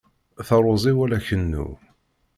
Taruẓi wala kennu.